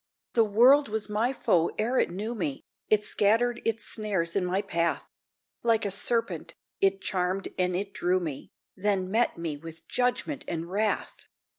The World was my foe ere it knew me; It scattered its snares in my path: Like a serpent, it charmed and it drew me, Then met me with judgment and wrath!